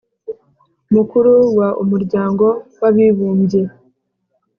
mukuru wa umuryango w'abibumbye: